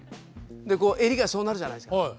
襟がそうなるじゃないですか。